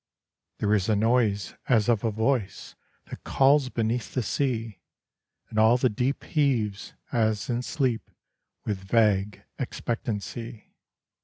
There is a noise as of a voice That calls beneath the sea; And all the deep heaves, as in sleep, With vague expectancy.